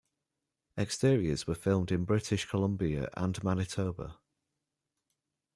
Exteriors were filmed in British Columbia and Manitoba.